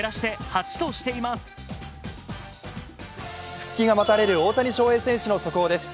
復帰が待たれる大谷翔平選手の速報です。